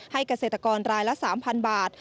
เกษตรกรรายละ๓๐๐๐บาท